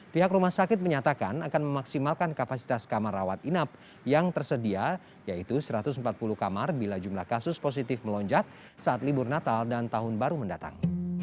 pihak rumah sakit menyatakan akan memaksimalkan kapasitas kamar rawat inap yang tersedia yaitu satu ratus empat puluh kamar bila jumlah kasus positif melonjak saat libur natal dan tahun baru mendatang